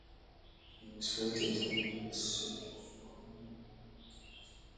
He was selected in place of opener Loots Bosman.